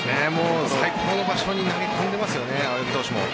最高の場所に投げ込んでますよね、青柳投手も。